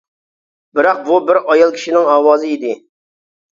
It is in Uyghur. بىراق بۇ بىر ئايال كىشىنىڭ ئاۋازى ئىدى.